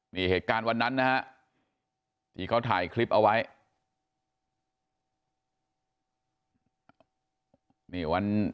นี่เหตุการณ์วันนั้นนะฮะที่เขาถ่ายคลิปเอาไว้